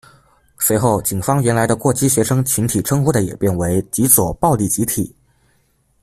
随后，警方原来的“过激学生群体”称呼的也变为“极左暴力集体”。